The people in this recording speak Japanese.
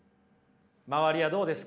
周りはどうですか？